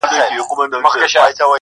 په تهمتونو کي بلا غمونو.